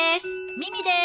ミミです！